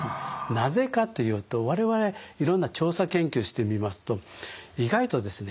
なぜかというと我々いろんな調査研究してみますと意外とですね